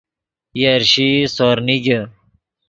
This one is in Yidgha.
یرشیئی سور نیگے